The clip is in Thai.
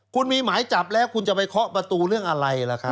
คุณมีหมายจับแล้วคุณจะไปเคาะประตูเรื่องอะไรล่ะครับ